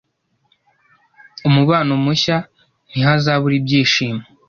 Umubano mushya Ntihazabura Ibyishimo-